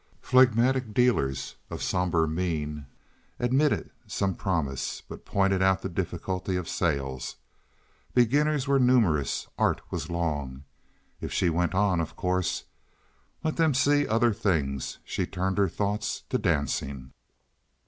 Phlegmatic dealers of somber mien admitted some promise, but pointed out the difficulty of sales. Beginners were numerous. Art was long. If she went on, of course.... Let them see other things. She turned her thoughts to dancing.